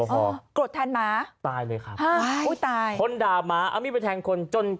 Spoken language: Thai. พ้นด่าม้าเอามีดไปแทงคนจน